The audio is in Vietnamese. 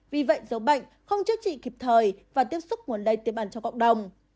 vì vậy dấu bệnh không chữa trị kịp thời và tiếp xúc nguồn lây tiềm ẩn cho cộng đồng